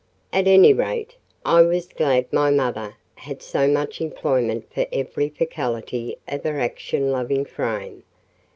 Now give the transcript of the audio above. At any rate, I was glad my mother had so much employment for every faculty of her action loving frame.